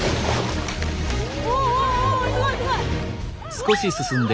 おおおすごいすごい！